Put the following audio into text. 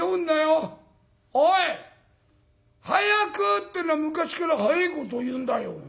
早くっていうのは昔から早えことを言うんだよ。